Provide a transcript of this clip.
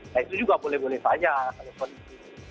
nah itu juga boleh boleh banyak